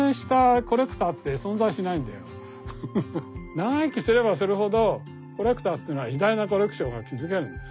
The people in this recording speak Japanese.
長生きすればするほどコレクターというのは偉大なコレクションが築けるんだね。